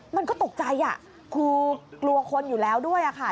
มันก็ตกใจคือกลัวคนอยู่แล้วด้วยค่ะ